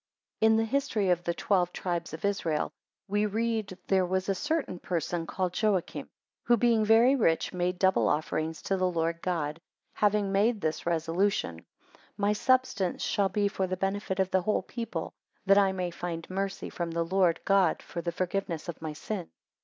IN the history of the twelve tribes of Israel we read there was a certain person called Joachim, who being very rich, made double offerings to the Lord God, having made this resolution: My substance shall be for the benefit of the whole people, that I may find mercy from the Lord God for the forgiveness of my sins.